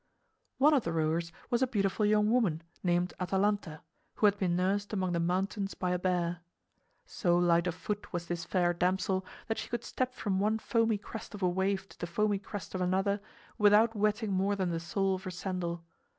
One of the rowers was a beautiful young woman named Atalanta, who had been nursed among the mountains by a bear. So light of foot was this fair damsel that she could step from one foamy crest of a wave to the foamy crest of another without wetting more than the sole of her sandal.